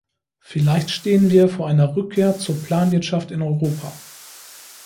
Vielleicht stehen wir vor einer Rückkehr zur Planwirtschaft in Europa.